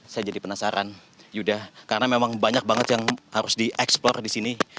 saya jadi penasaran yuda karena memang banyak banget yang harus dieksplor di sini